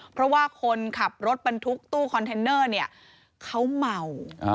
เพราะว่าคนขับรถบรรทุกตู้คอนเทนเนอร์เนี่ยเขาเมา